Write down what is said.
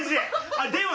あっでは！